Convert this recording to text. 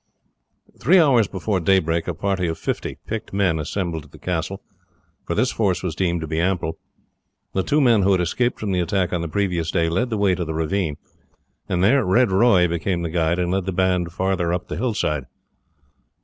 Three hours before daybreak a party of fifty picked men assembled at the castle, for this force was deemed to be ample. The two men who had escaped from the attack on the previous day led the way to the ravine, and there Red Roy became the guide and led the band far up the hillside.